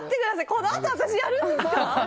このあと、私やるんですか？